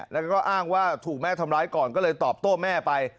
แล้วก็อ้างว่าถูกแม่ทำร้ายก่อนก็เลยตอบโต้แม่ไป